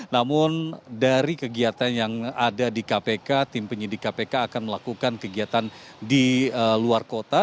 namun dari kegiatan yang ada di kpk tim penyidik kpk akan melakukan kegiatan di luar kota